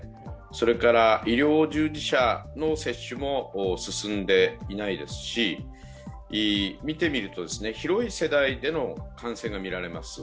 それから医療従事者の接種も進んでいないですし、みてみると広い世代での感染がみられます。